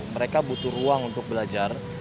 mereka butuh ruang untuk belajar